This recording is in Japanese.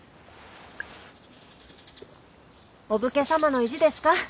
お武家様の意地ですか。